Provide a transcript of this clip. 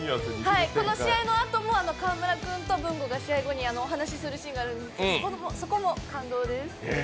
この試合のあとも河村君と文吾が試合後にお話しするシーンがあるんですけど、そこも感動です。